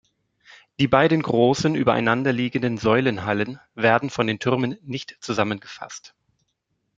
Die beiden großen übereinander liegenden Säulenhallen werden von den Türmen nicht zusammengefasst.